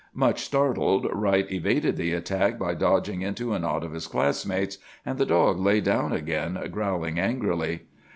Much startled, Wright evaded the attack by dodging into a knot of his classmates; and the dog lay down again, growling angrily.